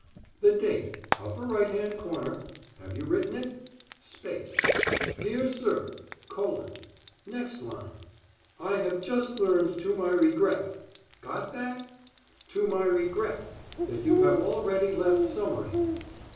"The date upper right hand corner. Have you written it? Space. Dear Sir, colon. Next line. I have just learned to my regret got that? to my regret that you have already left Summering.